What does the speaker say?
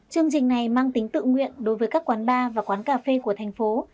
chương trình này mang tính tự nguyện đối với các quán bar và quán cà phê của thành phố